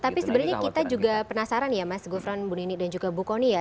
tapi sebenarnya kita juga penasaran ya mas gufran bunini dan juga bu kony ya